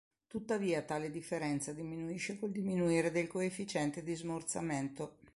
Tuttavia tale differenza diminuisce col diminuire del coefficiente di smorzamento.